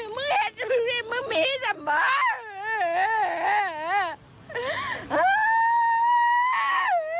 มึงเห็นมึงมีจำบอก